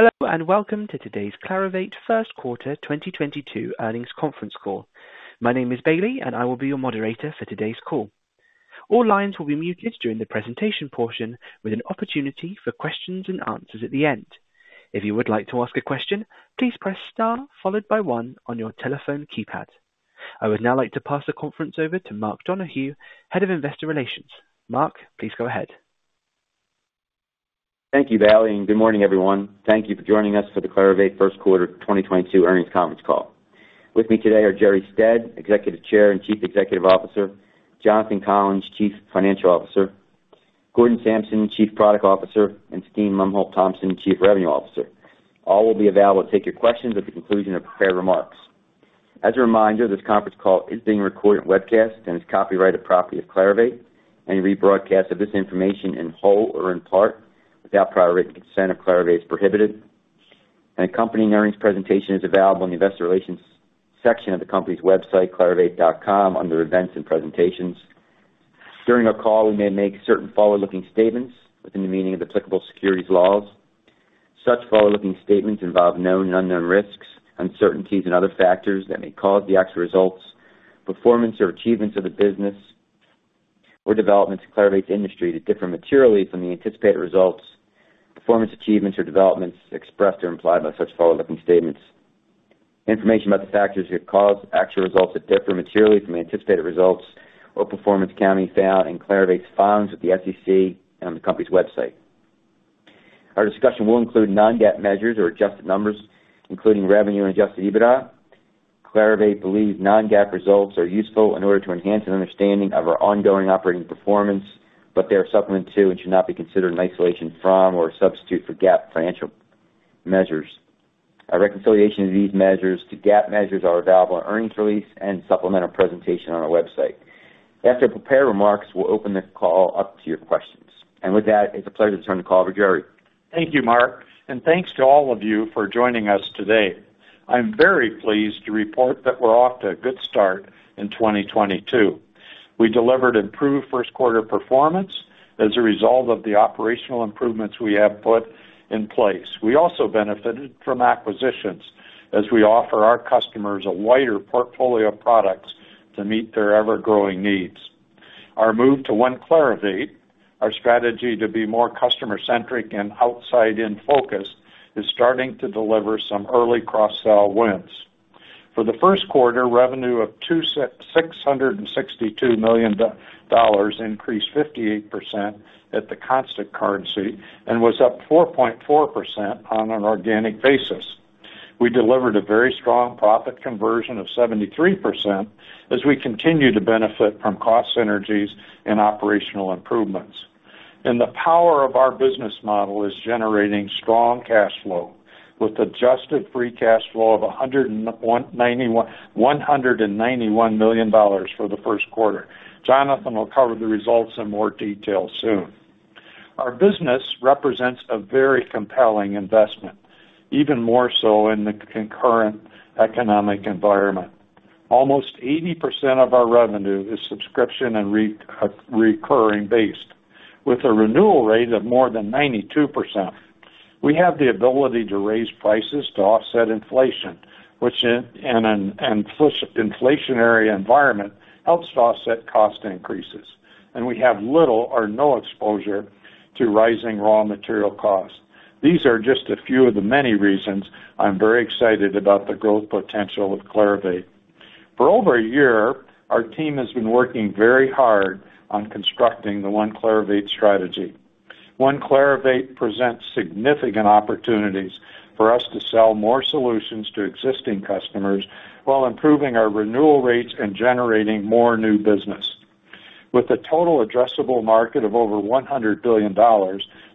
Hello, and welcome to today's Clarivate first quarter 2022 earnings conference call. My name is Bailey, and I will be your moderator for today's call. All lines will be muted during the presentation portion, with an opportunity for questions and answers at the end. If you would like to ask a question, please press Star, followed by one on your telephone keypad. I would now like to pass the conference over to Mark Donohue, Head of Investor Relations. Mark, please go ahead. Thank you, Bailey, and good morning, everyone. Thank you for joining us for the Clarivate first quarter 2022 earnings conference call. With me today are Jerre Stead, Executive Chair and Chief Executive Officer, Jonathan Collins, Chief Financial Officer, Gordon Samson, Chief Product Officer, and Steen Lomholt-Thomsen, Chief Revenue Officer. All will be available to take your questions at the conclusion of prepared remarks. As a reminder, this conference call is being recorded and webcast and is copyrighted property of Clarivate. Any rebroadcast of this information in whole or in part without prior written consent of Clarivate is prohibited. An accompanying earnings presentation is available in the investor relations section of the company's website, clarivate.com, under Events and Presentations. During our call, we may make certain forward-looking statements within the meaning of applicable securities laws. Such forward-looking statements involve known and unknown risks, uncertainties, and other factors that may cause the actual results, performance, or achievements of the business or developments in Clarivate's industry to differ materially from the anticipated results, performance, achievements, or developments expressed or implied by such forward-looking statements. Information about the factors that could cause actual results to differ materially from anticipated results or performance can be found in Clarivate's filings with the SEC and on the company's website. Our discussion will include non-GAAP measures or adjusted numbers, including revenue and adjusted EBITDA. Clarivate believes non-GAAP results are useful in order to enhance an understanding of our ongoing operating performance, but they are supplements to and should not be considered in isolation from or a substitute for GAAP financial measures. A reconciliation of these measures to GAAP measures is available in earnings release and supplemental presentation on our website. After prepared remarks, we'll open this call up to your questions. With that, it's a pleasure to turn the call over to Jerre. Thank you, Mark, and thanks to all of you for joining us today. I'm very pleased to report that we're off to a good start in 2022. We delivered improved first quarter performance as a result of the operational improvements we have put in place. We also benefited from acquisitions as we offer our customers a wider portfolio of products to meet their ever-growing needs. Our move to One Clarivate, our strategy to be more customer-centric and outside in focus, is starting to deliver some early cross-sell wins. For the first quarter, revenue of $262 million increased 58% at the constant currency and was up 4.4% on an organic basis. We delivered a very strong profit conversion of 73% as we continue to benefit from cost synergies and operational improvements. The power of our business model is generating strong cash flow with adjusted free cash flow of $191 million for the first quarter. Jonathan will cover the results in more detail soon. Our business represents a very compelling investment, even more so in the current economic environment. Almost 80% of our revenue is subscription and recurring based, with a renewal rate of more than 92%. We have the ability to raise prices to offset inflation, which in an inflationary environment, helps to offset cost increases. We have little or no exposure to rising raw material costs. These are just a few of the many reasons I'm very excited about the growth potential of Clarivate. For over a year, our team has been working very hard on constructing the One Clarivate strategy. One Clarivate presents significant opportunities for us to sell more solutions to existing customers while improving our renewal rates and generating more new business. With a total addressable market of over $100 billion,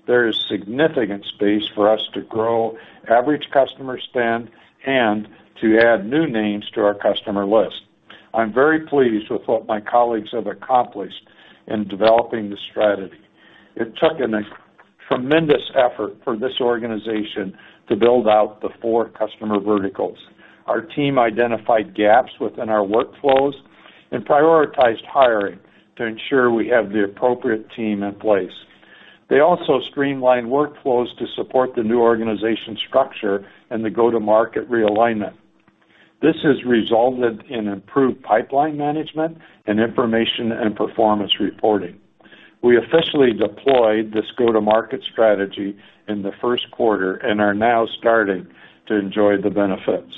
there is significant space for us to grow average customer spend and to add new names to our customer list. I'm very pleased with what my colleagues have accomplished in developing this strategy. It took a tremendous effort for this organization to build out the four customer verticals. Our team identified gaps within our workflows and prioritized hiring to ensure we have the appropriate team in place. They also streamlined workflows to support the new organization structure and the go-to-market realignment. This has resulted in improved pipeline management and information and performance reporting. We officially deployed this go-to-market strategy in the first quarter and are now starting to enjoy the benefits.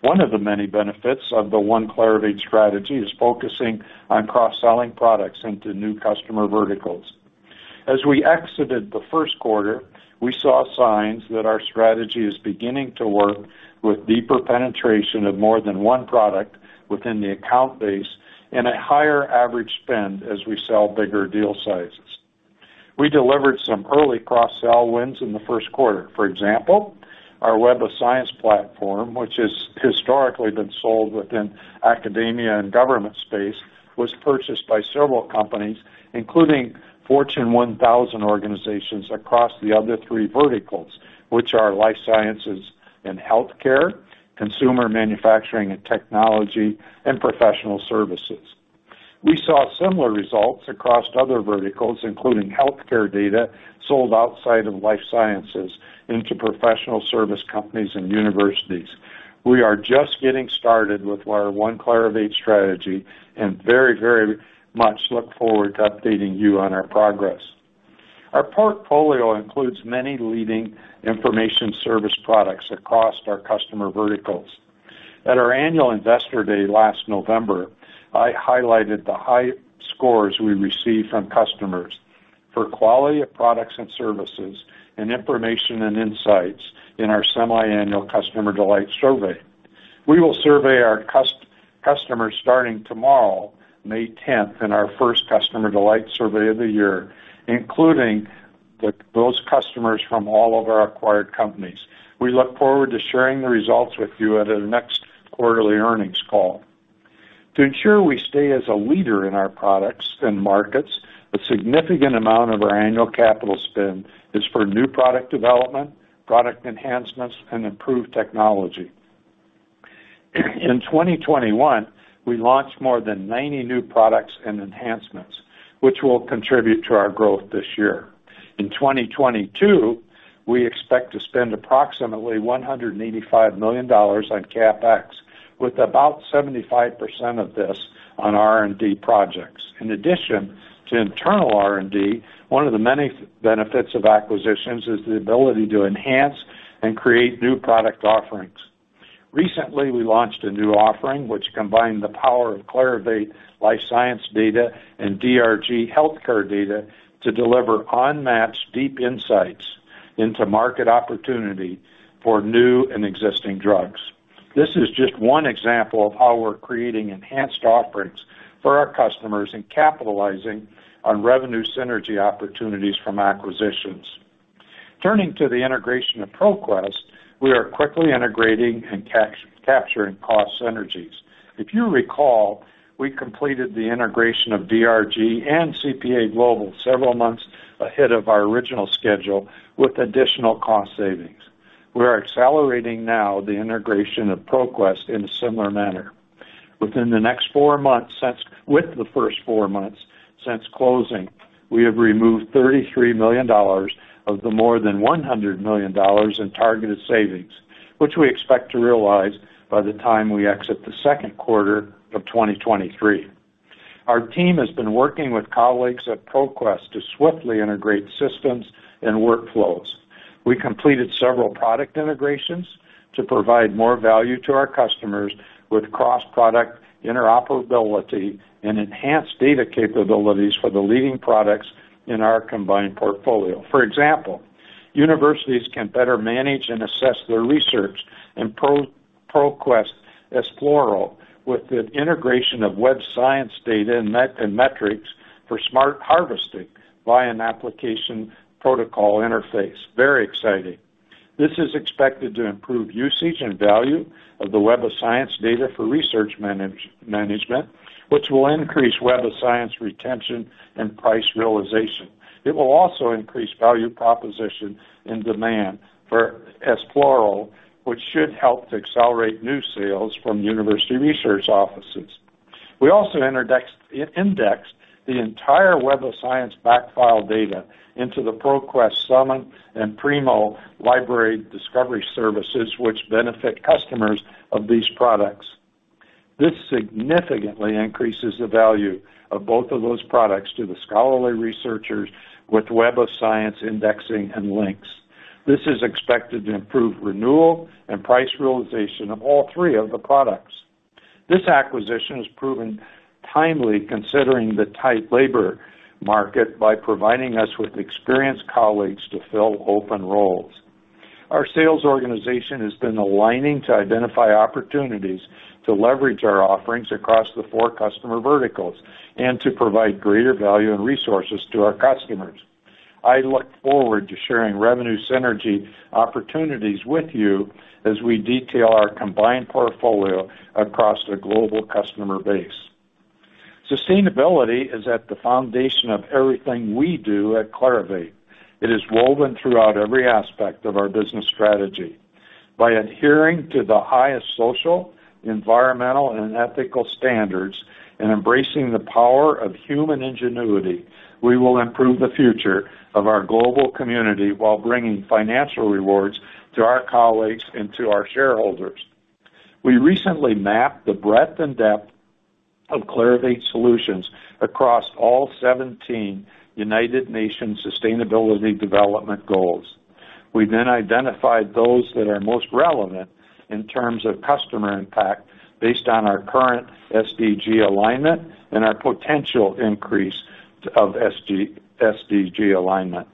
One of the many benefits of the One Clarivate strategy is focusing on cross-selling products into new customer verticals. As we exited the first quarter, we saw signs that our strategy is beginning to work with deeper penetration of more than one product within the account base and a higher average spend as we sell bigger deal sizes. We delivered some early cross-sell wins in the first quarter. For example, our Web of Science platform, which has historically been sold within academia and government space, was purchased by several companies, including Fortune 1000 organizations across the other three verticals, which are life sciences and healthcare, consumer manufacturing and technology, and professional services. We saw similar results across other verticals, including healthcare data sold outside of life sciences into professional service companies and universities. We are just getting started with our One Clarivate strategy and very, very much look forward to updating you on our progress. Our portfolio includes many leading information service products across our customer verticals. At our annual Investor Day last November, I highlighted the high scores we received from customers for quality of products and services and information and insights in our semiannual Customer Delight Survey. We will survey our customers starting tomorrow, May tenth, in our first Customer Delight Survey of the year, including those customers from all of our acquired companies. We look forward to sharing the results with you at our next quarterly earnings call. To ensure we stay as a leader in our products and markets, a significant amount of our annual capital spend is for new product development, product enhancements, and improved technology. In 2021, we launched more than 90 new products and enhancements, which will contribute to our growth this year. In 2022, we expect to spend approximately $185 million on CapEx, with about 75% of this on R&D projects. In addition to internal R&D, one of the many benefits of acquisitions is the ability to enhance and create new product offerings. Recently, we launched a new offering which combined the power of Clarivate life science data and DRG healthcare data to deliver unmatched deep insights into market opportunity for new and existing drugs. This is just one example of how we're creating enhanced offerings for our customers and capitalizing on revenue synergy opportunities from acquisitions. Turning to the integration of ProQuest, we are quickly integrating and capturing cost synergies. If you recall, we completed the integration of DRG and CPA Global several months ahead of our original schedule with additional cost savings. We are accelerating now the integration of ProQuest in a similar manner. Within the next four months, with the first fourmonths since closing, we have removed $33 million of the more than $100 million in targeted savings, which we expect to realize by the time we exit the second quarter of 2023. Our team has been working with colleagues at ProQuest to swiftly integrate systems and workflows. We completed several product integrations to provide more value to our customers with cross-product interoperability and enhanced data capabilities for the leading products in our combined portfolio. For example, universities can better manage and assess their research in ProQuest Esploro with the integration of Web of Science data and metrics for smart harvesting via an application protocol interface. Very exciting. This is expected to improve usage and value of the Web of Science data for research management, which will increase Web of Science retention and price realization. It will also increase value proposition and demand for Esploro, which should help to accelerate new sales from university research offices. We also indexed the entire Web of Science backfile data into the ProQuest Summon and Primo library discovery services, which benefit customers of these products. This significantly increases the value of both of those products to the scholarly researchers with Web of Science indexing and links. This is expected to improve renewal and price realization of all three of the products. This acquisition has proven timely, considering the tight labor market, by providing us with experienced colleagues to fill open roles. Our sales organization has been aligning to identify opportunities to leverage our offerings across the four customer verticals and to provide greater value and resources to our customers. I look forward to sharing revenue synergy opportunities with you as we detail our combined portfolio across a global customer base. Sustainability is at the foundation of everything we do at Clarivate. It is woven throughout every aspect of our business strategy. By adhering to the highest social, environmental, and ethical standards and embracing the power of human ingenuity, we will improve the future of our global community while bringing financial rewards to our colleagues and to our shareholders. We recently mapped the breadth and depth of Clarivate solutions across all seventeen United Nations Sustainable Development Goals. We then identified those that are most relevant in terms of customer impact based on our current SDG alignment and our potential increase of SDG alignment.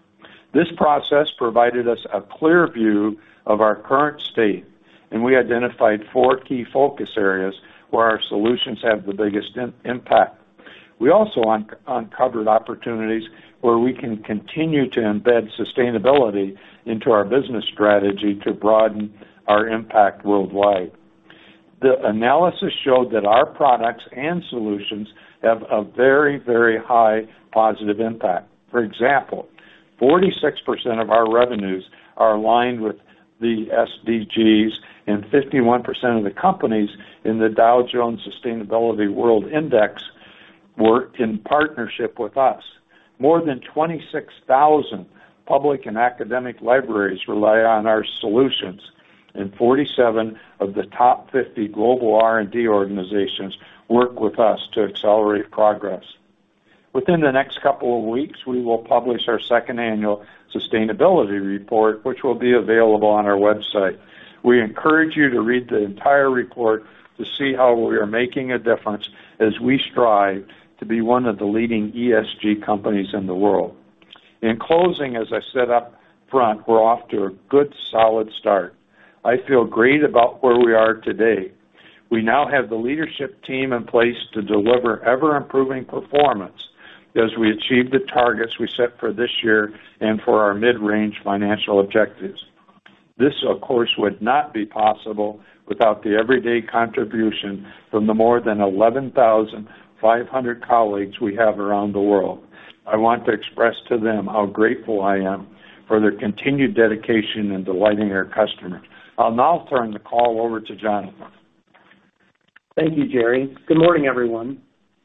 This process provided us a clear view of our current state, and we identified four key focus areas where our solutions have the biggest impact. We also uncovered opportunities where we can continue to embed sustainability into our business strategy to broaden our impact worldwide. The analysis showed that our products and solutions have a very, very high positive impact. For example, 46% of our revenues are aligned with the SDGs, and 51% of the companies in the Dow Jones Sustainability World Index work in partnership with us. More than 26,000 public and academic libraries rely on our solutions, and 47 of the top 50 global R&D organizations work with us to accelerate progress. Within the next couple of weeks, we will publish our second annual sustainability report, which will be available on our website. We encourage you to read the entire report to see how we are making a difference as we strive to be one of the leading ESG companies in the world. In closing, as I said up front, we're off to a good, solid start. I feel great about where we are today. We now have the leadership team in place to deliver ever-improving performance as we achieve the targets we set for this year and for our mid-range financial objectives. This, of course, would not be possible without the everyday contribution from the more than 11,500 colleagues we have around the world. I want to express to them how grateful I am for their continued dedication in delighting our customers. I'll now turn the call over to Jonathan. Thank you, Jerre. Good morning, everyone.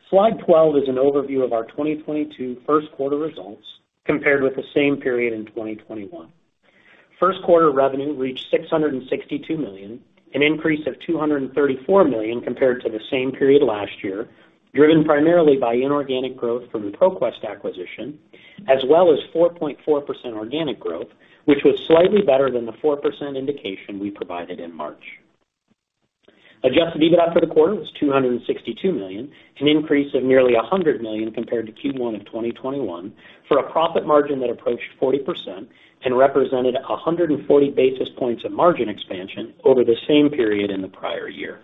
Slide 12 is an overview of our 2022 first quarter results compared with the same period in 2021. First quarter revenue reached $662 million, an increase of $234 million compared to the same period last year, driven primarily by inorganic growth from the ProQuest acquisition, as well as 4.4% organic growth, which was slightly better than the 4% indication we provided in March. Adjusted EBITDA for the quarter was $262 million, an increase of nearly $100 million compared to Q1 of 2021 for a profit margin that approached 40% and represented 140 basis points of margin expansion over the same period in the prior year.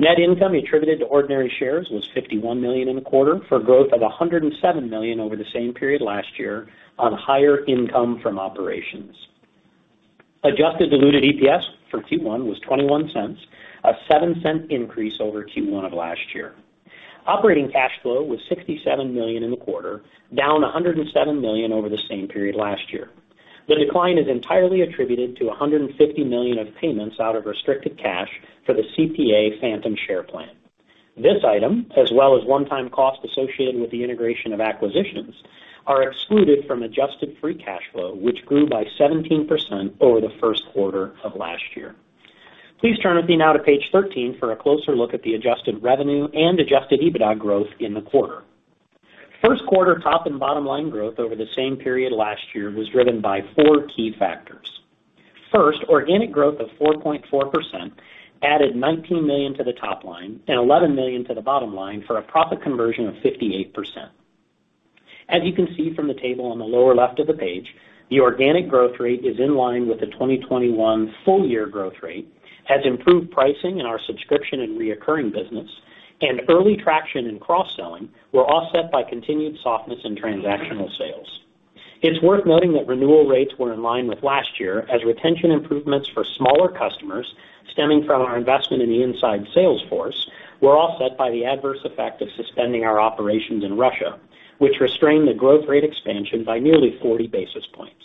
Net income attributed to ordinary shares was $51 million in the quarter, for growth of $107 million over the same period last year on higher income from operations. Adjusted diluted EPS for Q1 was $0.21, a $0.07 increase over Q1 of last year. Operating cash flow was $67 million in the quarter, down $107 million over the same period last year. The decline is entirely attributed to $150 million of payments out of restricted cash for the CPA phantom share plan. This item, as well as one-time costs associated with the integration of acquisitions, are excluded from adjusted free cash flow, which grew by 17% over the first quarter of last year. Please turn with me now to page 13 for a closer look at the adjusted revenue and adjusted EBITDA growth in the quarter. First-quarter top- and bottom-line growth over the same period last year was driven by 4 key factors. First, organic growth of 4.4% added $19 million to the top line and $11 million to the bottom line for a profit conversion of 58%. As you can see from the table on the lower left of the page, the organic growth rate is in line with the 2021 full-year growth rate, has improved pricing in our subscription and recurring business, and early traction in cross-selling were offset by continued softness in transactional sales. It's worth noting that renewal rates were in line with last year as retention improvements for smaller customers stemming from our investment in the inside sales force were offset by the adverse effect of suspending our operations in Russia, which restrained the growth rate expansion by nearly 40 basis points.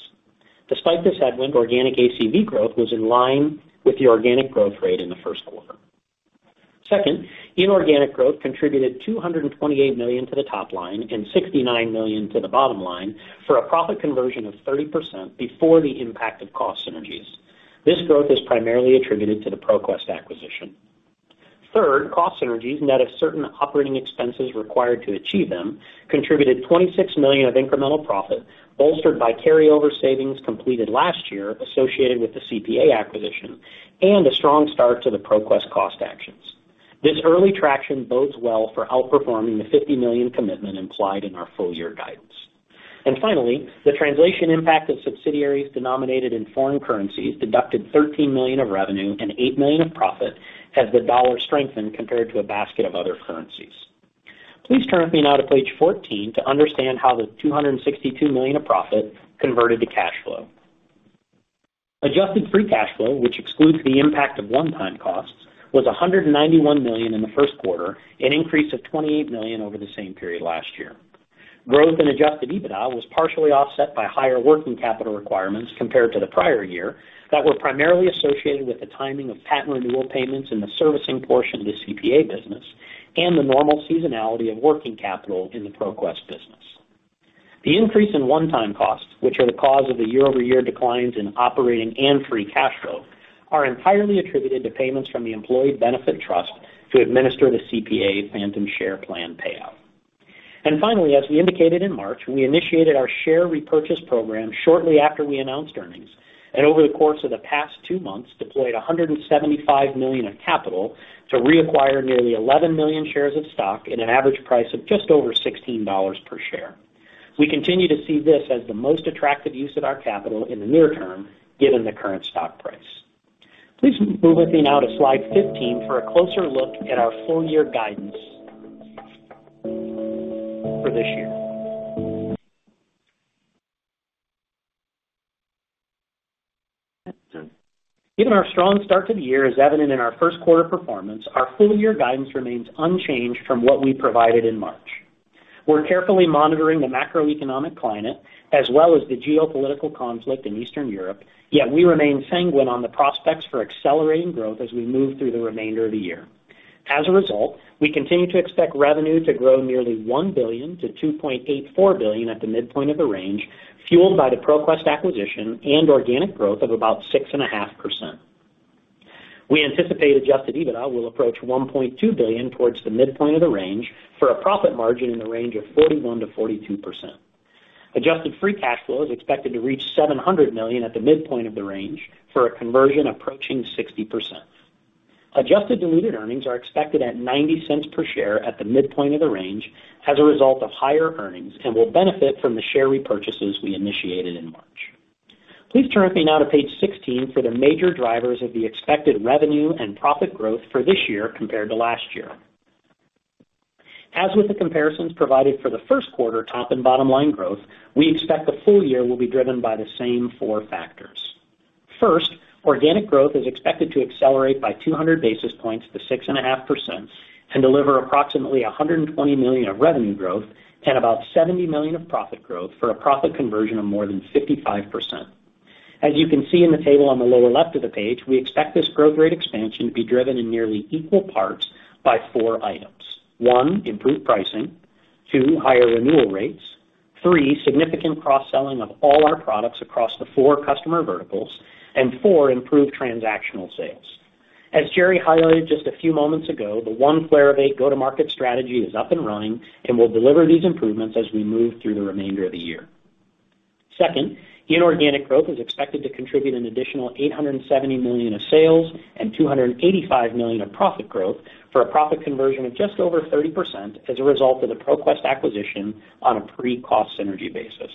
Despite this headwind, organic ACV growth was in line with the organic growth rate in the first quarter. Second, inorganic growth contributed $228 million to the top line and $69 million to the bottom line for a profit conversion of 30% before the impact of cost synergies. This growth is primarily attributed to the ProQuest acquisition. Third, cost synergies, net of certain operating expenses required to achieve them, contributed $26 million of incremental profit, bolstered by carryover savings completed last year associated with the CPA acquisition and a strong start to the ProQuest cost actions. This early traction bodes well for outperforming the $50 million commitment implied in our full-year guidance. Finally, the translation impact of subsidiaries denominated in foreign currencies deducted $13 million of revenue and $8 million of profit as the dollar strengthened compared to a basket of other currencies. Please turn with me now to page 14 to understand how the $262 million of profit converted to cash flow. Adjusted free cash flow, which excludes the impact of one-time costs, was $191 million in the first quarter, an increase of $28 million over the same period last year. Growth in adjusted EBITDA was partially offset by higher working capital requirements compared to the prior year that were primarily associated with the timing of patent renewal payments in the servicing portion of the CPA business and the normal seasonality of working capital in the ProQuest business. The increase in one-time costs, which are the cause of the year-over-year declines in operating and free cash flow, are entirely attributed to payments from the employee benefit trust to administer the CPA phantom share plan payout. Finally, as we indicated in March, we initiated our share repurchase program shortly after we announced earnings. Over the course of the past two months, deployed $175 million of capital to reacquire nearly 11 million shares of stock at an average price of just over $16 per share. We continue to see this as the most attractive use of our capital in the near term, given the current stock price. Please move with me now to slide 15 for a closer look at our full-year guidance for this year. Given our strong start to the year as evident in our first quarter performance, our full-year guidance remains unchanged from what we provided in March. We're carefully monitoring the macroeconomic climate as well as the geopolitical conflict in Eastern Europe. Yet we remain sanguine on the prospects for accelerating growth as we move through the remainder of the year. As a result, we continue to expect revenue to grow nearly $1 billion to $2.84 billion at the midpoint of the range, fueled by the ProQuest acquisition and organic growth of about 6.5%. We anticipate adjusted EBITDA will approach $1.2 billion towards the midpoint of the range for a profit margin in the range of 41%-42%. Adjusted free cash flow is expected to reach $700 million at the midpoint of the range for a conversion approaching 60%. Adjusted diluted earnings are expected at $0.90 per share at the midpoint of the range as a result of higher earnings and will benefit from the share repurchases we initiated in March. Please turn with me now to page 16 for the major drivers of the expected revenue and profit growth for this year compared to last year. As with the comparisons provided for the first quarter, top and bottom line growth, we expect the full-year will be driven by the same four factors. First, organic growth is expected to accelerate by 200 basis points to 6.5% and deliver approximately $120 million of revenue growth and about $70 million of profit growth for a profit conversion of more than 55%. As you can see in the table on the lower left of the page, we expect this growth rate expansion to be driven in nearly equal parts by four items. One, improved pricing, two, higher renewal rates, three, significant cross-selling of all our products across the four customer verticals, and four, improved transactional sales. As Jerre highlighted just a few moments ago, the one Clarivate go-to-market strategy is up and running and will deliver these improvements as we move through the remainder of the year. Second, inorganic growth is expected to contribute an additional $870 million of sales and $285 million of profit growth for a profit conversion of just over 30% as a result of the ProQuest acquisition on a pre-cost synergy basis.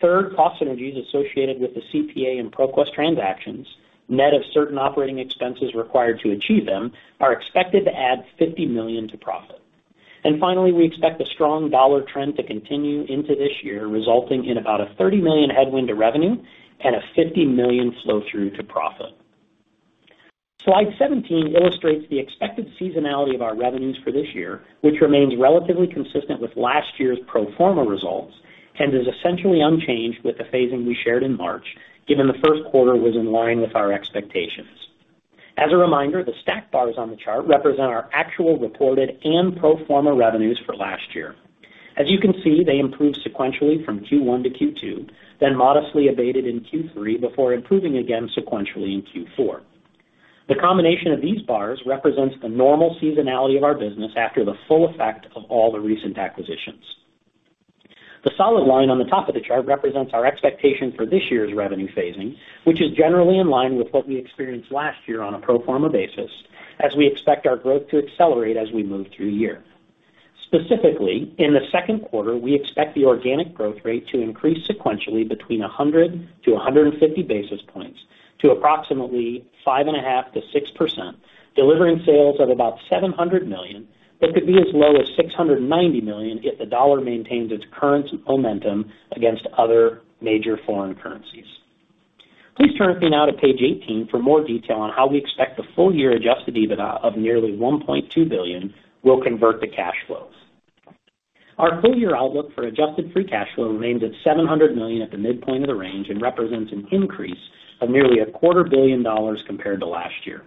Third, cost synergies associated with the CPA and ProQuest transactions, net of certain operating expenses required to achieve them, are expected to add $50 million to profit. Finally, we expect the strong dollar trend to continue into this year, resulting in about a $30 million headwind to revenue and a $50 million flow through to profit. Slide 17 illustrates the expected seasonality of our revenues for this year, which remains relatively consistent with last year's pro forma results and is essentially unchanged with the phasing we shared in March, given the first quarter was in line with our expectations. As a reminder, the stacked bars on the chart represent our actual reported and pro forma revenues for last year. As you can see, they improved sequentially from Q1-Q2, then modestly abated in Q3 before improving again sequentially in Q4. The combination of these bars represents the normal seasonality of our business after the full effect of all the recent acquisitions. The solid line on the top of the chart represents our expectation for this year's revenue phasing, which is generally in line with what we experienced last year on a pro forma basis, as we expect our growth to accelerate as we move through the year. Specifically, in the second quarter, we expect the organic growth rate to increase sequentially between 100-150 basis points to approximately 5.5%-6%, delivering sales of about $700 million that could be as low as $690 million if the dollar maintains its current momentum against other major foreign currencies. Please turn with me now to page 18 for more detail on how we expect the full-year adjusted EBITDA of nearly $1.2 billion will convert to cash flows. Our full-year outlook for adjusted free cash flow remains at $700 million at the midpoint of the range and represents an increase of nearly a quarter billion dollars compared to last year.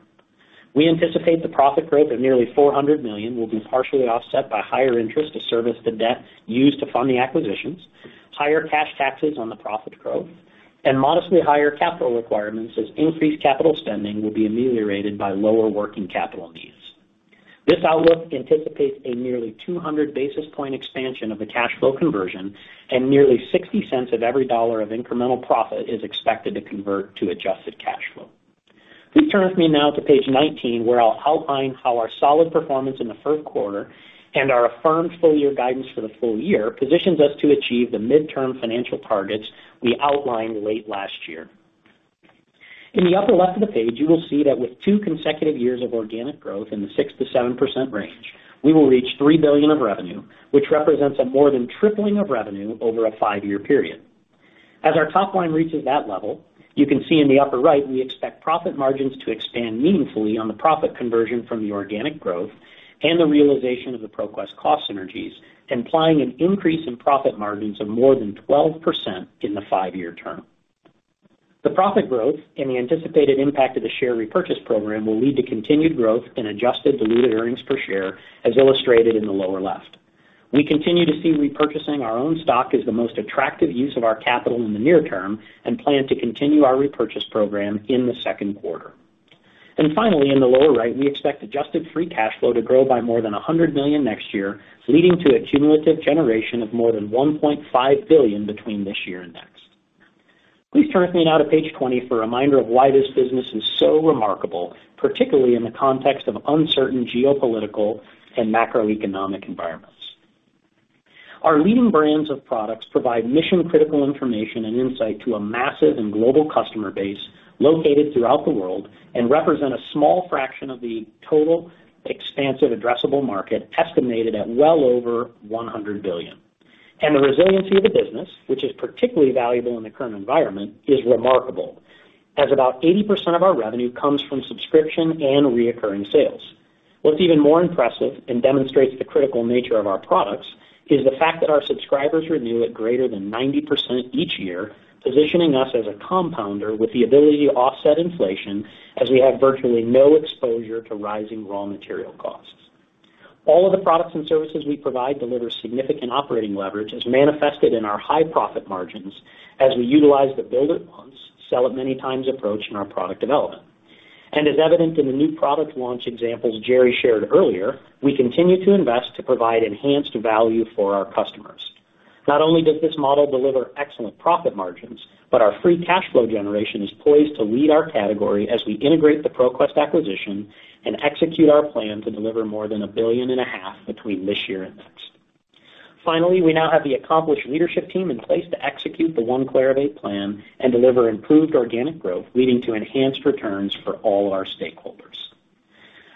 We anticipate the profit growth of nearly $400 million will be partially offset by higher interest to service the debt used to fund the acquisitions, higher cash taxes on the profit growth, and modestly higher capital requirements as increased capital spending will be ameliorated by lower working capital needs. This outlook anticipates a nearly 200 basis point expansion of the cash flow conversion, and nearly 60 cents of every dollar of incremental profit is expected to convert to adjusted cash flow. Please turn with me now to page 19, where I'll outline how our solid performance in the first quarter and our affirmed full-year guidance for the full-year positions us to achieve the midterm financial targets we outlined late last year. In the upper left of the page, you will see that with two consecutive years of organic growth in the 6%-7% range, we will reach $3 billion of revenue, which represents a more than tripling of revenue over a five-year period. As our top line reaches that level, you can see in the upper right, we expect profit margins to expand meaningfully on the profit conversion from the organic growth and the realization of the ProQuest cost synergies, implying an increase in profit margins of more than 12% in the five-year term. The profit growth and the anticipated impact of the share repurchase program will lead to continued growth in adjusted diluted earnings per share, as illustrated in the lower left. We continue to see repurchasing our own stock as the most attractive use of our capital in the near term and plan to continue our repurchase program in the second quarter. Finally, in the lower right, we expect adjusted free cash flow to grow by more than $100 million next year, leading to a cumulative generation of more than $1.5 billion between this year and next. Please turn with me now to page 20 for a reminder of why this business is so remarkable, particularly in the context of uncertain geopolitical and macroeconomic environments. Our leading brands of products provide mission-critical information and insight to a massive and global customer base located throughout the world and represent a small fraction of the total expansive addressable market, estimated at well over $100 billion. The resiliency of the business, which is particularly valuable in the current environment, is remarkable, as about 80% of our revenue comes from subscription and recurring sales. What's even more impressive and demonstrates the critical nature of our products, is the fact that our subscribers renew at greater than 90% each year, positioning us as a compounder with the ability to offset inflation as we have virtually no exposure to rising raw material costs. All of the products and services we provide deliver significant operating leverage as manifested in our high profit margins as we utilize the build it once, sell it many times approach in our product development. As evident in the new product launch examples Jerre shared earlier, we continue to invest to provide enhanced value for our customers. Not only does this model deliver excellent profit margins, but our free cash flow generation is poised to lead our category as we integrate the ProQuest acquisition and execute our plan to deliver more than $1.5 billion between this year and next. Finally, we now have the accomplished leadership team in place to execute the One Clarivate plan and deliver improved organic growth, leading to enhanced returns for all our stakeholders.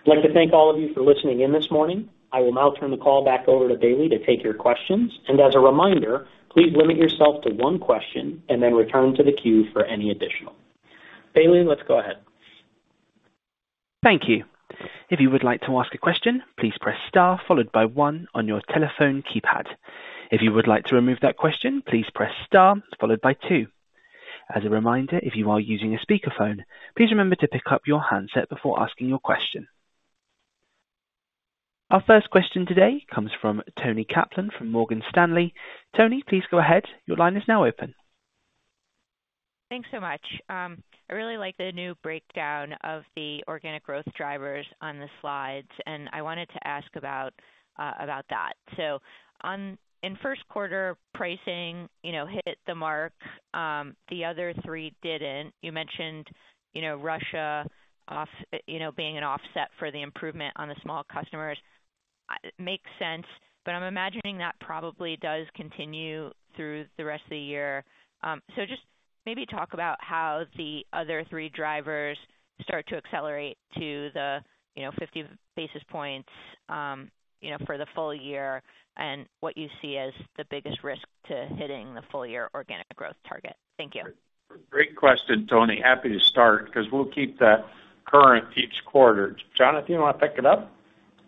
I'd like to thank all of you for listening in this morning. I will now turn the call back over to Bailey to take your questions. As a reminder, please limit yourself to one question and then return to the queue for any additional. Bailey, let's go ahead. Thank you. If you would like to ask a question, please press star followed by one on your telephone keypad. If you would like to remove that question, please press star followed by two. As a reminder, if you are using a speakerphone, please remember to pick up your handset before asking your question. Our first question today comes from Toni Kaplan from Morgan Stanley. Toni, please go ahead. Your line is now open. Thanks so much. I really like the new breakdown of the organic growth drivers on the slides, and I wanted to ask about that. In first quarter pricing, you know, hit the mark, the other three didn't. You mentioned, you know, Russia off, you know, being an offset for the improvement on the small customers. It makes sense, but I'm imagining that probably does continue through the rest of the year. Just maybe talk about how the other three drivers start to accelerate to the, you know, 50 basis points, you know, for the full-year and what you see as the biggest risk to hitting the full-year organic growth target. Thank you. Great question, Toni. Happy to start 'cause we'll keep that current each quarter. Jonathan, you wanna pick it up?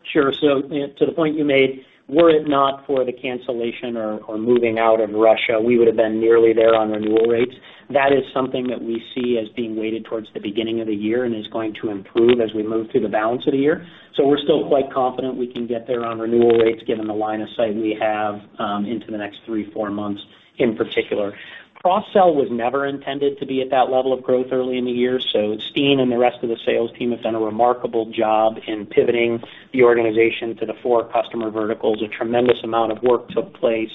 Sure. To the point you made, were it not for the cancellation or moving out of Russia, we would have been nearly there on renewal rates. That is something that we see as being weighted towards the beginning of the year and is going to improve as we move through the balance of the year. We're still quite confident we can get there on renewal rates given the line of sight we have into the next three, four months in particular. Cross-sell was never intended to be at that level of growth early in the year, so Steen and the rest of the sales team have done a remarkable job in pivoting the organization to the four customer verticals. A tremendous amount of work took place,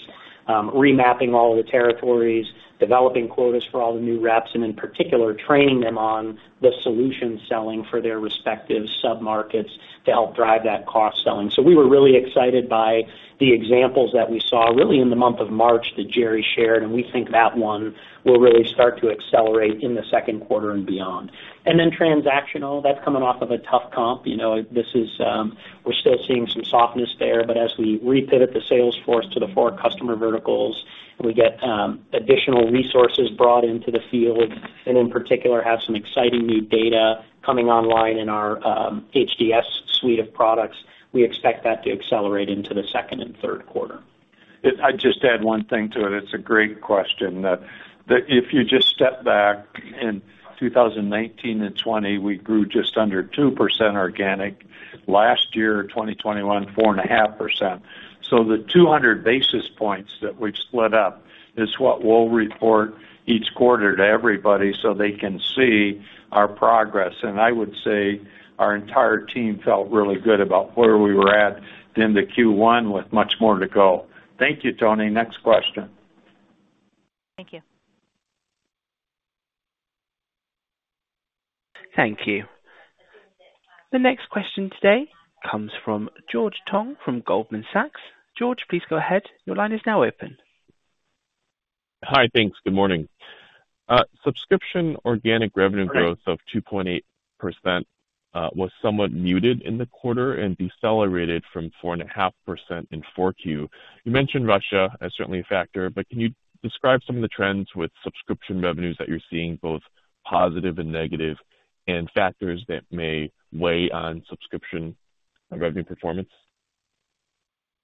remapping all the territories, developing quotas for all the new reps, and in particular, training them on the solution selling for their respective sub-markets to help drive that cross-selling. We were really excited by the examples that we saw really in the month of March that Jerre shared, and we think that one will really start to accelerate in the second quarter and beyond. Then transactional, that's coming off of a tough comp. You know, this is. We're still seeing some softness there, but as we repivot the sales force to the four customer verticals, we get additional resources brought into the field and in particular have some exciting new data coming online in our HDS suite of products. We expect that to accelerate into the second and third quarter. If I'd just add one thing to it's a great question. If you just step back in 2019 and 2020, we grew just under 2% organic. Last year, 2021, 4.5%. The 200 basis points that we've split up is what we'll report each quarter to everybody so they can see our progress. I would say our entire team felt really good about where we were at in the Q1 with much more to go. Thank you, Toni. Next question. Thank you. Thank you. The next question today comes from George Tong from Goldman Sachs. George, please go ahead. Your line is now open. Hi. Thanks. Good morning. Subscription organic revenue growth. of 2.8%, was somewhat muted in the quarter and decelerated from 4.5% in Q4. You mentioned Russia as certainly a factor, but can you describe some of the trends with subscription revenues that you're seeing, both positive and negative, and factors that may weigh on subscription revenue performance?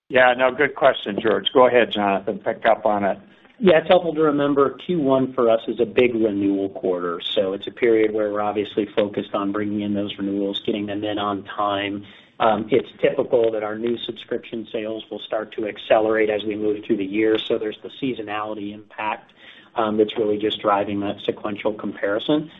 Yeah. No, good question, George. Go ahead, Jonathan, pick up on it. Yeah, it's helpful to remember Q1 for us is a big renewal quarter. It's a period where we're obviously focused on bringing in those renewals, getting them in on time. It's typical that our new subscription sales will start to accelerate as we move through the year. There's the seasonality impact, that's really just driving that sequential comparison.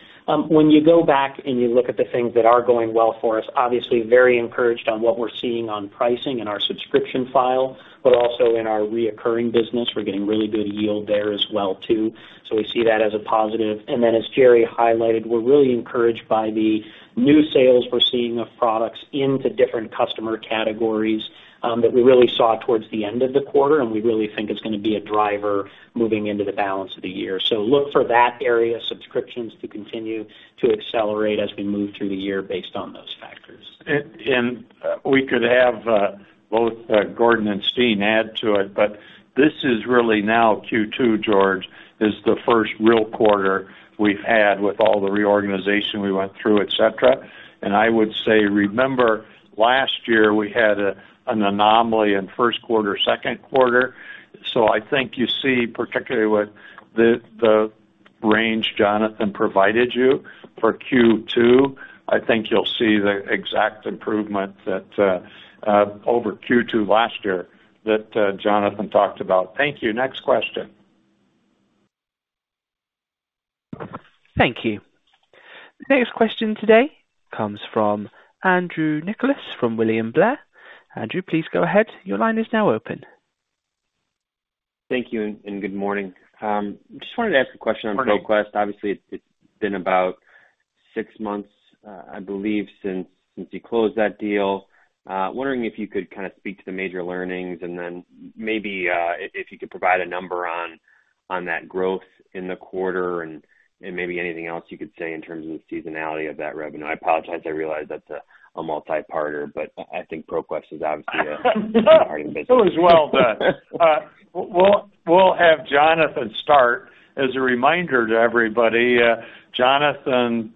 When you go back and you look at the things that are going well for us, obviously very encouraged on what we're seeing on pricing in our subscription file, but also in our recurring business. We're getting really good yield there as well, too. We see that as a positive. As Jerre highlighted, we're really encouraged by the new sales we're seeing of products into different customer categories, that we really saw towards the end of the quarter, and we really think it's gonna be a driver moving into the balance of the year. Look for that area, subscriptions, to continue to accelerate as we move through the year based on those factors. We could have both Gordon and Steen add to it, but this is really now Q2, George. It's the first real quarter we've had with all the reorganization we went through, et cetera. I would say, remember last year we had an anomaly in first quarter, second quarter. I think you see, particularly with the range Jonathan provided you for Q2, I think you'll see the exact improvement that over Q2 last year that Jonathan talked about. Thank you. Next question. Thank you. The next question today comes from Andrew Nicholas from William Blair. Andrew, please go ahead. Your line is now open. Thank you and good morning. Just wanted to ask a question on- Good morning. ProQuest. Obviously, it's been about six months, I believe since you closed that deal. Wondering if you could kind of speak to the major learnings and then maybe, if you could provide a number on that growth in the quarter and maybe anything else you could say in terms of the seasonality of that revenue. I apologize, I realize that's a multi-parter, but I think ProQuest is obviously a part in this. It was well done. We'll have Jonathan start. As a reminder to everybody, Jonathan,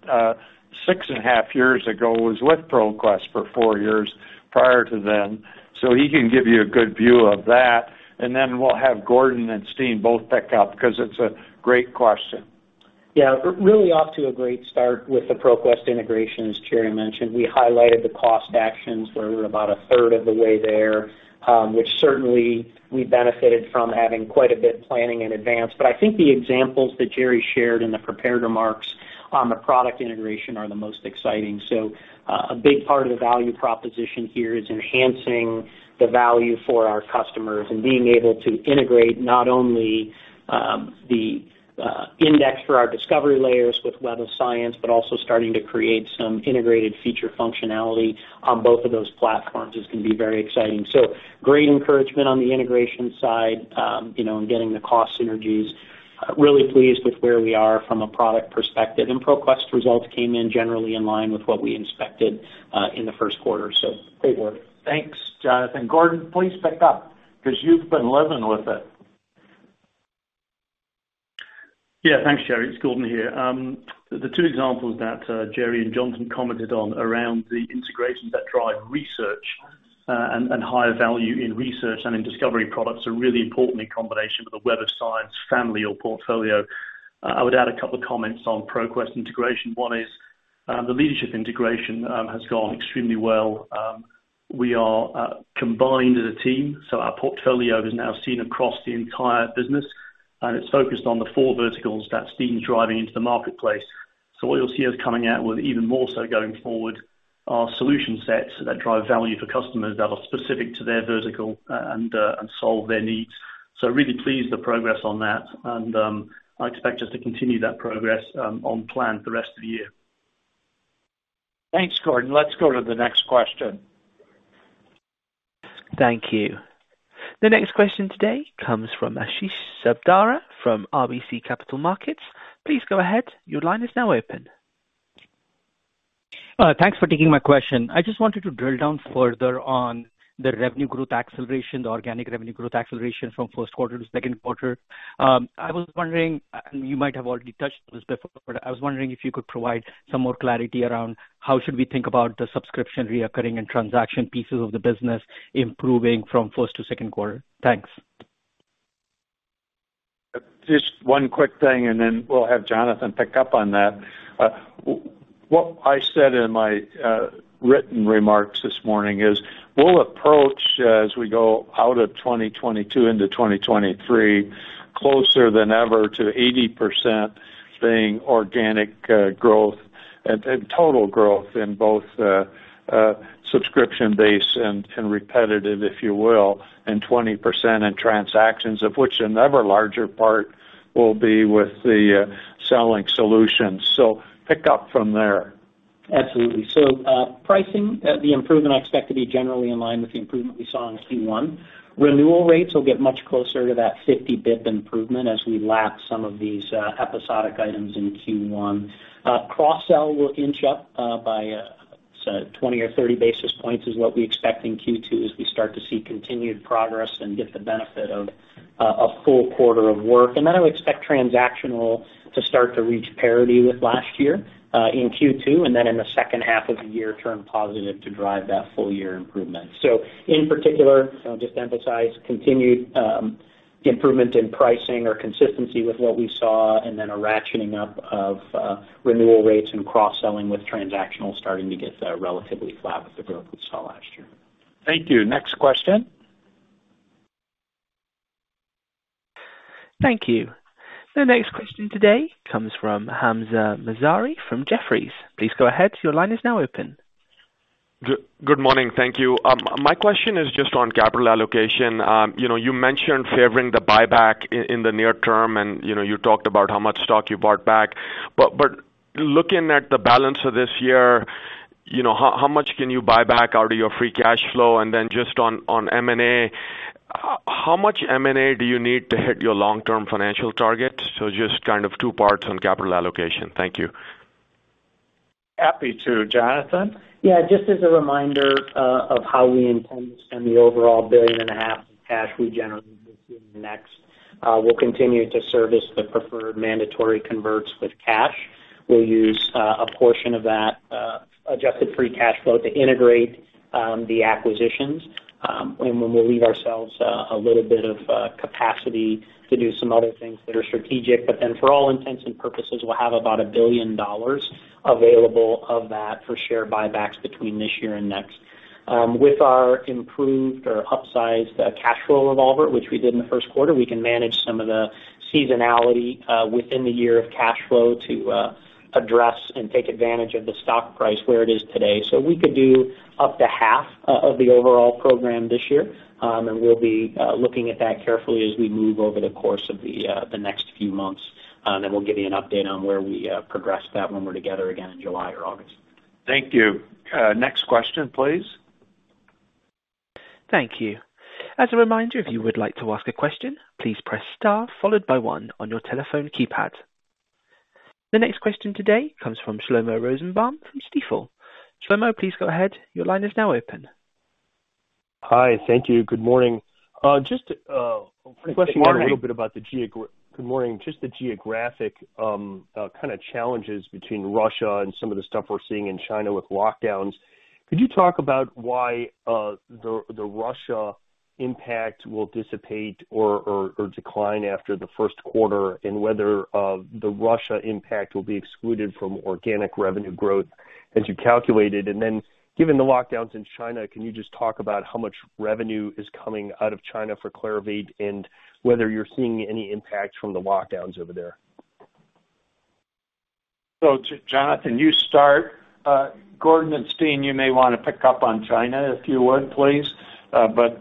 six and a half years ago was with ProQuest for four years prior to then, so he can give you a good view of that. We'll have Gordon and Steve both pick up 'cause it's a great question. Yeah. Really off to a great start with the ProQuest integration, as Jerre mentioned. We highlighted the cost actions where we're about a third of the way there, which certainly we benefited from having quite a bit planning in advance. I think the examples that Jerre shared in the prepared remarks on the product integration are the most exciting. A big part of the value proposition here is enhancing the value for our customers and being able to integrate not only the index for our discovery layers with Web of Science, but also starting to create some integrated feature functionality on both of those platforms is gonna be very exciting. Great encouragement on the integration side, you know, and getting the cost synergies. Really pleased with where we are from a product perspective. ProQuest results came in generally in line with what we expected in the first quarter. Great work. Thanks, Jonathan. Gordon, please pick up, 'cause you've been living with it. Yeah. Thanks, Jerre. It's Gordon here. The two examples that Jerre and Jonathan commented on around the integrations that drive research and higher value in research and in discovery products are really important in combination with the Web of Science family or portfolio. I would add a couple of comments on ProQuest integration. One is the leadership integration has gone extremely well. We are combined as a team, so our portfolio is now seen across the entire business, and it's focused on the four verticals that Steen's driving into the marketplace. What you'll see us coming out with even more so going forward are solution sets that drive value for customers that are specific to their vertical and solve their needs. Really pleased with the progress on that and I expect us to continue that progress on plan for the rest of the year. Thanks, Gordon. Let's go to the next question. Thank you. The next question today comes from Ashish Sabadra from RBC Capital Markets. Please go ahead. Your line is now open. Thanks for taking my question. I just wanted to drill down further on the revenue growth acceleration, the organic revenue growth acceleration from first quarter to second quarter. I was wondering, you might have already touched on this before, but I was wondering if you could provide some more clarity around how should we think about the subscription recurring and transaction pieces of the business improving from first to second quarter. Thanks. Just one quick thing, and then we'll have Jonathan pick up on that. What I said in my written remarks this morning is we'll approach as we go out of 2022 into 2023, closer than ever to 80% being organic growth and total growth in both subscription base and recurring, if you will, and 20% in transactions, of which an ever larger part will be with the selling solutions. Pick up from there. Absolutely. Pricing, the improvement I expect to be generally in line with the improvement we saw in Q1. Renewal rates will get much closer to that 50 basis point improvement as we lap some of these episodic items in Q1. Cross-sell will inch up by, say, 20 or 30 basis points is what we expect in Q2 as we start to see continued progress and get the benefit of a full quarter of work. I would expect transactional to start to reach parity with last year in Q2, and then in the second half of the year, turn positive to drive that full-year improvement. In particular, just to emphasize, continued improvement in pricing or consistency with what we saw and then a ratcheting up of renewal rates and cross-selling with transactional starting to get relatively flat with the growth we saw last year. Thank you. Next question. Thank you. The next question today comes from Hamzah Mazari from Jefferies. Please go ahead. Your line is now open. Good morning. Thank you. My question is just on capital allocation. You know, you mentioned favoring the buyback in the near term and, you know, you talked about how much stock you bought back. But looking at the balance of this year, you know, how much can you buy back out of your free cash flow? And then just on M&A, how much M&A do you need to hit your long-term financial target? Just kind of two parts on capital allocation. Thank you. Happy to. Jonathan? Yeah. Just as a reminder of how we intend to spend the overall $1.5 billion cash we generate between now and next, we'll continue to service the preferred mandatory converts with cash. We'll use a portion of that adjusted free cash flow to integrate the acquisitions. We'll leave ourselves a little bit of capacity to do some other things that are strategic. For all intents and purposes, we'll have about $1 billion available of that for share buybacks between this year and next. With our improved or upsized cash flow revolver, which we did in the first quarter, we can manage some of the seasonality within the year of cash flow to address and take advantage of the stock price where it is today. We could do up to half of the overall program this year. We'll be looking at that carefully as we move over the course of the next few months. We'll give you an update on where we progress that when we're together again in July or August. Thank you. Next question, please. Thank you. As a reminder, if you would like to ask a question, please press star followed by one on your telephone keypad. The next question today comes from Shlomo Rosenbaum from Stifel. Shlomo, please go ahead. Your line is now open. Hi. Thank you. Good morning. Good morning. A question a little bit about the geographic kind of challenges between Russia and some of the stuff we're seeing in China with lockdowns. Could you talk about why the Russia impact will dissipate or decline after the first quarter, and whether the Russia impact will be excluded from organic revenue growth as you calculate it? Then given the lockdowns in China, can you just talk about how much revenue is coming out of China for Clarivate and whether you're seeing any impact from the lockdowns over there? Jonathan, you start. Gordon and Steen, you may wanna pick up on China, if you would, please.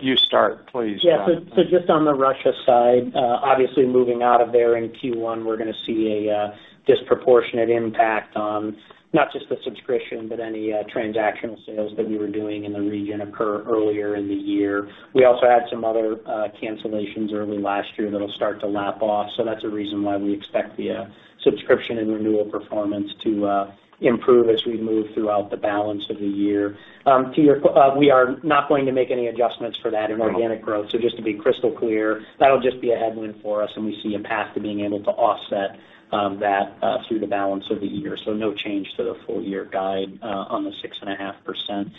You start, please, Jonathan. Yeah. Just on the Russia side, obviously moving out of there in Q1, we're gonna see a disproportionate impact on not just the subscription, but any transactional sales that we were doing in the region occur earlier in the year. We also had some other cancellations early last year that'll start to lap off. That's a reason why we expect the subscription and renewal performance to improve as we move throughout the balance of the year. We are not going to make any adjustments for that in organic growth. Just to be crystal clear, that'll just be a headwind for us, and we see a path to being able to offset that through the balance of the year. No change to the full-year guide on the 6.5%.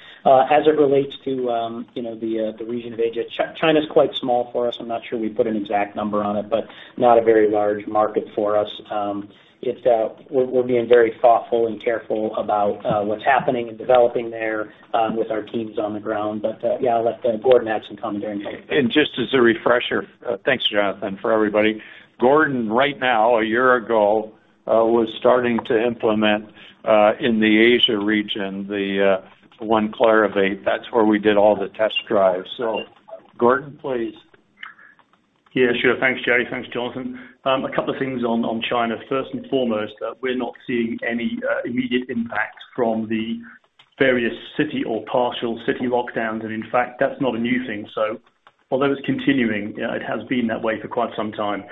As it relates to, you know, the region of Asia, China's quite small for us. I'm not sure we put an exact number on it, but not a very large market for us. We're being very thoughtful and careful about what's happening and developing there with our teams on the ground. Yeah, I'll let Gordon add some commentary. Just as a refresher, thanks, Jonathan, for everybody. Gordon, right now, a year ago, was starting to implement in the Asia region, the One Clarivate. That's where we did all the test drives. Gordon, please. Yeah, sure. Thanks, Jerre. Thanks, Jonathan. A couple of things on China. First and foremost, we're not seeing any immediate impact from the various city or partial city lockdowns. In fact, that's not a new thing. Although it's continuing, it has been that way for quite some time.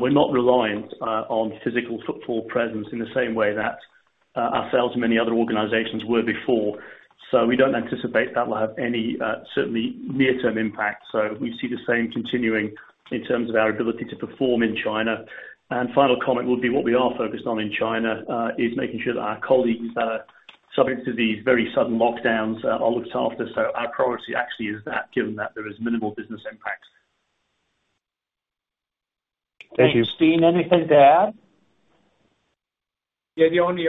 We're not reliant on physical footfall presence in the same way that ourselves and many other organizations were before. We don't anticipate that will have any certainly near-term impact. We see the same continuing in terms of our ability to perform in China. Final comment will be what we are focused on in China is making sure that our colleagues that are subject to these very sudden lockdowns are looked after. Our priority actually is that, given that there is minimal business impact. Thank you. Steen, anything to add? Yeah. The only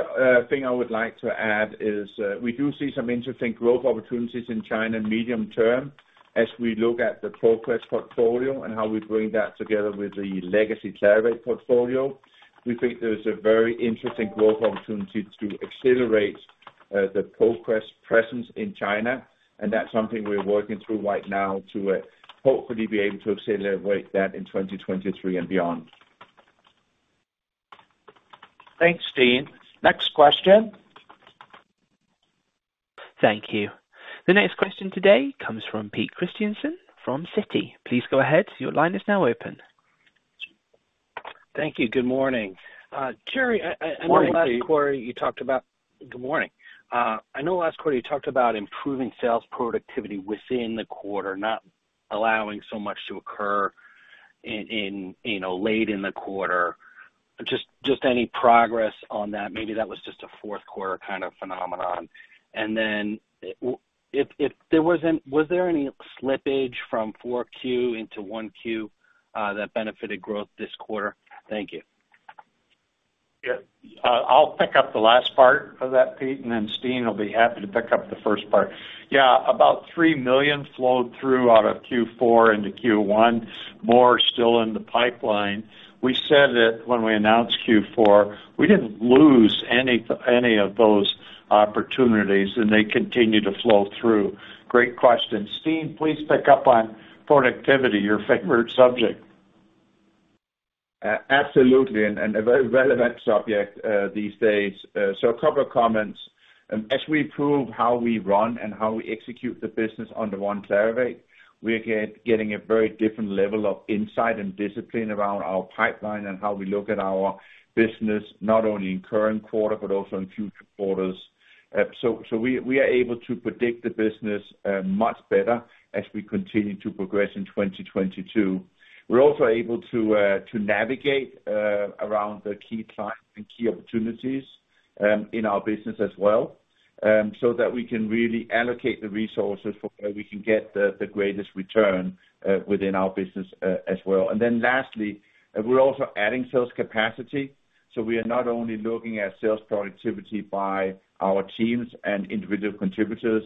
thing I would like to add is, we do see some interesting growth opportunities in China medium term as we look at the ProQuest portfolio and how we bring that together with the legacy Clarivate portfolio. We think there's a very interesting growth opportunity to accelerate the ProQuest presence in China, and that's something we're working through right now to, hopefully be able to accelerate that in 2023 and beyond. Thanks, Steen. Next question. Thank you. The next question today comes from Peter Christiansen from Citi. Please go ahead. Your line is now open. Thank you. Good morning. Good morning, Peter. Good morning. I know last quarter you talked about improving sales productivity within the quarter, not allowing so much to occur in, you know, late in the quarter. Just any progress on that. Maybe that was just a fourth quarter kind of phenomenon. If there wasn't, was there any slippage from 4Q into 1Q that benefited growth this quarter? Thank you. Yeah. I'll pick up the last part of that, Pete, and then Steen will be happy to pick up the first part. Yeah, about $3 million flowed through out of Q4 into Q1. More still in the pipeline. We said that when we announced Q4, we didn't lose any of those opportunities, and they continue to flow through. Great question. Steen, please pick up on productivity, your favorite subject. Absolutely, and a very relevant subject these days. A couple of comments. As we improve how we run and how we execute the business under One Clarivate, we are getting a very different level of insight and discipline around our pipeline and how we look at our business, not only in current quarter, but also in future quarters. We are able to predict the business much better as we continue to progress in 2022. We're also able to navigate around the key clients and key opportunities in our business as well, so that we can really allocate the resources for where we can get the greatest return within our business as well. Lastly, we're also adding sales capacity. We are not only looking at sales productivity by our teams and individual contributors.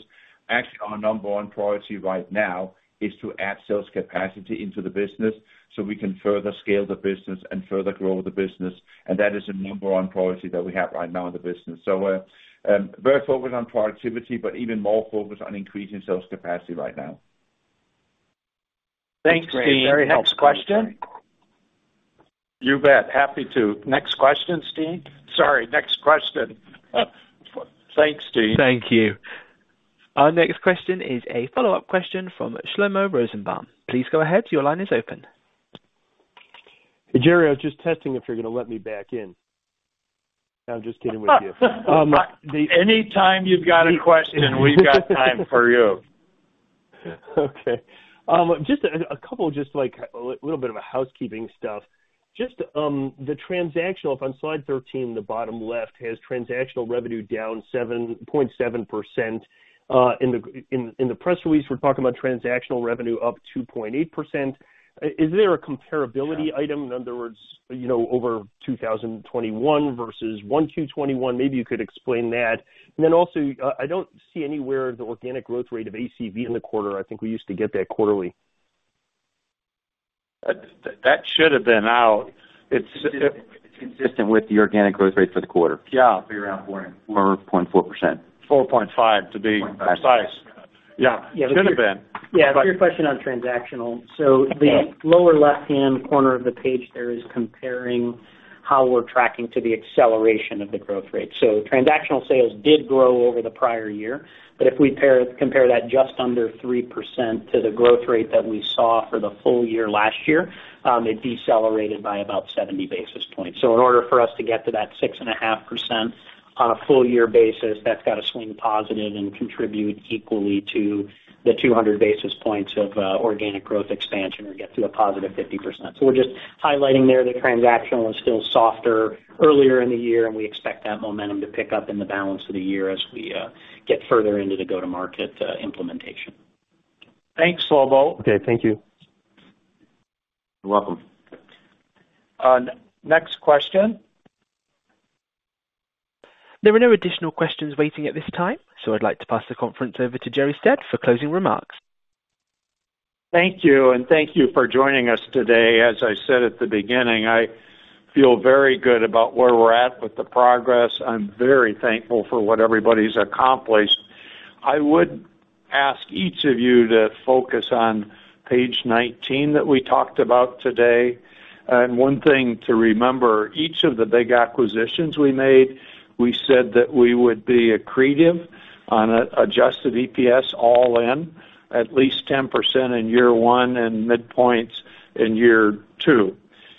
Actually, our number one priority right now is to add sales capacity into the business so we can further scale the business and further grow the business. That is a number one priority that we have right now in the business. We're very focused on productivity, but even more focused on increasing sales capacity right now. Thanks, Steen. Very helpful. Next question. You bet. Happy to. Next question, Steen. Sorry, next question. Thanks, Steen. Thank you. Our next question is a follow-up question from Shlomo Rosenbaum. Please go ahead. Your line is open. Hey, Jerre, I was just testing if you're gonna let me back in. No, I'm just kidding with you. Anytime you've got a question, we've got time for you. Okay. Just a couple of housekeeping stuff. The transactional up on slide 13, the bottom left, has transactional revenue down 7.7%. In the press release, we're talking about transactional revenue up 2.8%. Is there a comparability item, in other words, you know, over 2021 versus Q1 2021? Maybe you could explain that. I don't see anywhere the organic growth rate of ACV in the quarter. I think we used to get that quarterly. That should have been out. It's consistent with the organic growth rate for the quarter. Yeah. Around 4.4%. 4.5 to be precise. Yeah, it should have been. Yeah. To your question on transactional. The lower left-hand corner of the page there is comparing how we're tracking to the acceleration of the growth rate. Transactional sales did grow over the prior year. If we compare that just under 3% to the growth rate that we saw for the full-year last year, it decelerated by about 70 basis points. In order for us to get to that 6.5% on a full-year basis, that's gotta swing positive and contribute equally to the 200 basis points of organic growth expansion or get to a positive 50%. We're just highlighting there that transactional is still softer earlier in the year, and we expect that momentum to pick up in the balance of the year as we get further into the go-to-market implementation. Thanks, Shlomo. Okay, thank you. You're welcome. Next question. There are no additional questions waiting at this time, so I'd like to pass the conference over to Jerre Stead for closing remarks. Thank you, and thank you for joining us today. As I said at the beginning, I feel very good about where we're at with the progress. I'm very thankful for what everybody's accomplished. I would ask each of you to focus on page 19 that we talked about today. One thing to remember, each of the big acquisitions we made, we said that we would be accretive on adjusted EPS all in at least 10% in year one and mid-teens in year two.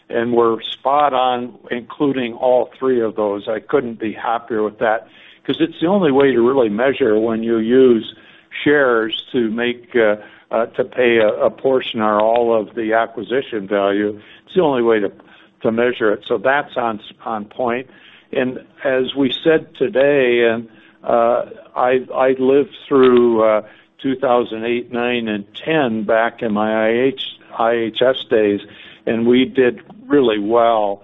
We're spot on, including all three of those. I couldn't be happier with that, 'cause it's the only way to really measure when you use shares to make, to pay a portion or all of the acquisition value. It's the only way to measure it. That's on point. As we said today, and, I've lived through 2008, 2009 and 2010 back in my IHS days, and we did really well,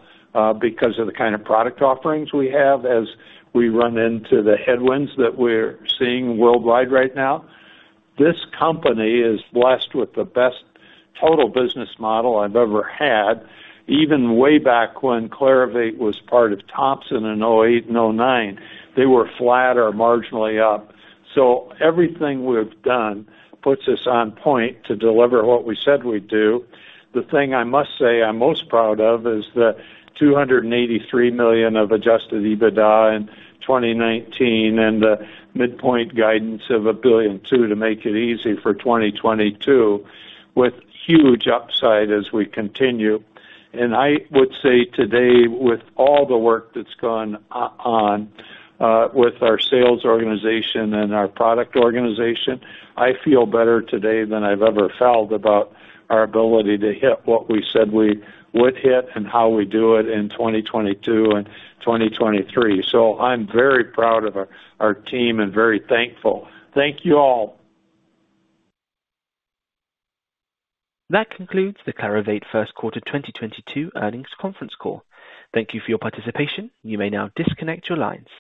because of the kind of product offerings we have as we run into the headwinds that we're seeing worldwide right now. This company is blessed with the best total business model I've ever had. Even way back when Clarivate was part of Thomson in 2008 and 2009, they were flat or marginally up. Everything we've done puts us on point to deliver what we said we'd do. The thing I must say I'm most proud of is the $283 million of adjusted EBITDA in 2019 and the midpoint guidance of $1.2 billion to make it easy for 2022, with huge upside as we continue. I would say today, with all the work that's gone on, with our sales organization and our product organization, I feel better today than I've ever felt about our ability to hit what we said we would hit and how we do it in 2022 and 2023. I'm very proud of our team and very thankful. Thank you all. That concludes the Clarivate first quarter 2022 earnings conference call. Thank you for your participation. You may now disconnect your lines.